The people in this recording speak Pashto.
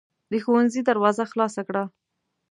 د ښوونځي دروازه خلاصه کړه.